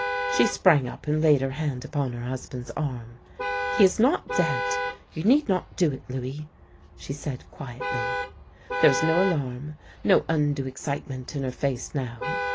She sprang up and laid her hand upon her husband's arm. " He is not dead — you need not do it, Louis," she said quietly. There was no alarm, no undue excite ment in her face now.